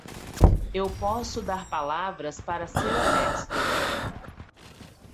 Eu posso dar palavras para ser honesto.